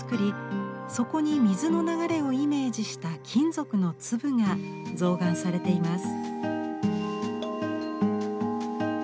そこに水の流れをイメージした金属の粒が象嵌されています。